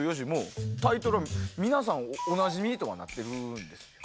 もうタイトル、皆さん、おなじみとかなってるんです。